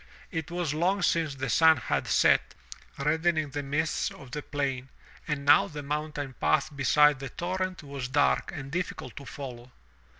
It was long since the sun had set, reddening the mists of the plain and now the mountain path beside the torrent was dark and difficult to follow.